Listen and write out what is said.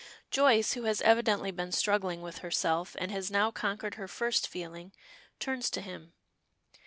Joyce, who has evidently been struggling with herself, and has now conquered her first feeling, turns to him.